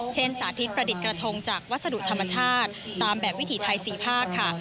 สาธิตประดิษฐ์กระทงจากวัสดุธรรมชาติตามแบบวิถีไทย๔ภาคค่ะ